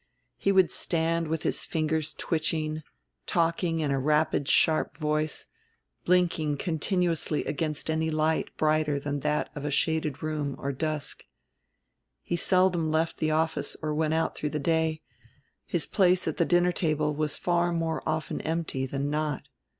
He would stand with his fingers twitching, talking in a rapid sharp voice, blinking continuously against any light brighter than that of a shaded room or dusk. He seldom left the office or went out through the day; his place at the dinner table was far more often empty than not.